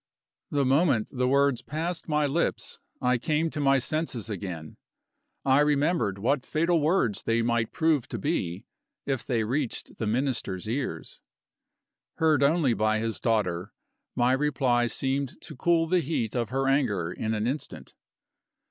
The moment the words had passed my lips, I came to my senses again; I remembered what fatal words they might prove to be, if they reached the Minister's ears. Heard only by his daughter, my reply seemed to cool the heat of her anger in an instant.